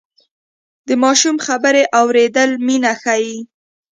د ماشوم خبرې اورېدل مینه ښيي.